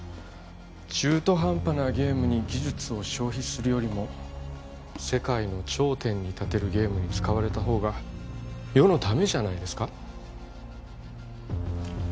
中途半端なゲームに技術を消費するよりも世界の頂点に立てるゲームに使われたほうが世のためじゃないですか？